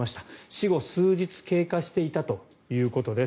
死後数日経過していたということです。